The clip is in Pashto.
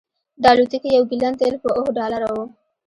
د الوتکې یو ګیلن تیل په اوه ډالره و